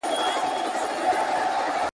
شمع هر څه ویني راز په زړه لري `